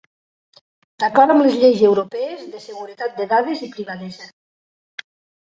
D'acord amb les lleis europees de seguretat de dades i privadesa.